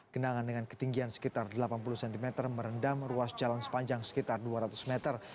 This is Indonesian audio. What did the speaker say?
genangan dengan ketinggian sekitar delapan puluh cm merendam ruas jalan sepanjang sekitar dua ratus meter